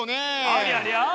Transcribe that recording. ありゃりゃ。